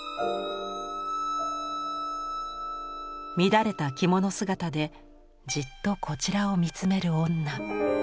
乱れた着物姿でじっとこちらを見つめる女。